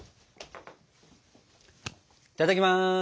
いただきます。